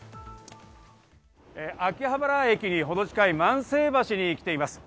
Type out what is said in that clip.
秋葉原駅にほど近い万世橋に来ています。